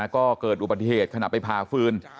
ก็เกิดอุบัติเหตุขณะไปผ่าฟืน